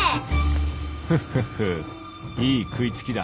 フッフッフいい食い付きだ